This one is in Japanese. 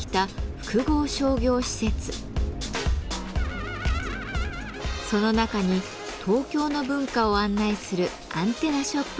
その中に東京の文化を案内するアンテナショップがあります。